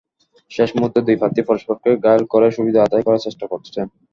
শেষ মুহূর্তে দুই প্রার্থী পরস্পরকে ঘায়েল করে সুবিধা আদায় করার চেষ্টা করছেন।